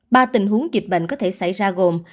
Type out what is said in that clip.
ba tình huống dịch bệnh có thể xảy ra gồm